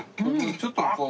ちょっとこう。